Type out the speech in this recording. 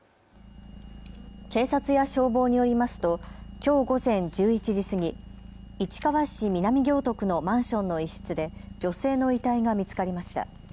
警察や消防によりますときょう午前１１時過ぎ、市川市南行徳のマンションの一室で女性の遺体が見つかりました。